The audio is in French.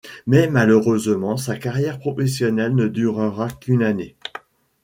Mais malheureusement sa carrière professionnelle ne durera qu'une année.